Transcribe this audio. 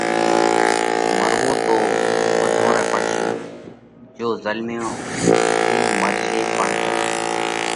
مروو تو ٻڌون رئہ پڙشي، جيو زلميو اُو مرشي پڻ کرِي۔